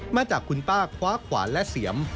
มาจากคุณป้าคว้าขวานและเสียม